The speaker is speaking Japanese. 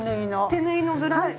手縫いのブラウス。